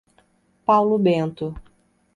Paulo Bento